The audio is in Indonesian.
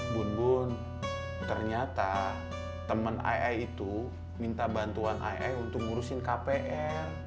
bun bun ternyata temen ai ai itu minta bantuan ai ai untuk ngurusin kpr